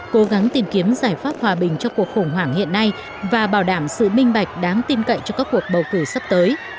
cố gắng tìm kiếm giải pháp hòa bình cho cuộc khủng hoảng hiện nay và bảo đảm sự minh bạch đáng tin cậy cho các cuộc bầu cử sắp tới